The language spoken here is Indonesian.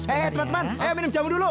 eh teman teman eh minum jamu dulu